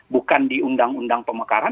bukan di undang undang pemekaran